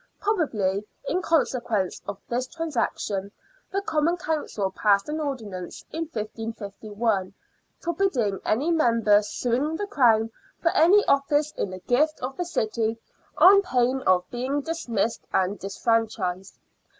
Probably, in consequence of this transaction, the Common Council passed an ordinance in 1551, forbidding any member suing the Crown for any office in the gift of the city on pain of being dismissed and disfranchised.